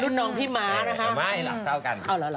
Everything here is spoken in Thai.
รุ่นน้องพี่ม้านะคะ